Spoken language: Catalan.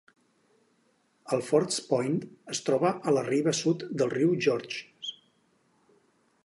Alfords Point es troba a la riba sud del riu Georges.